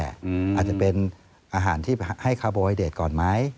อาจจะเป็นอาหารที่ให้คาร์โบไอเดทก่อนไหม